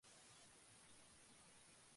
ওকে, আমি এটা করিনি।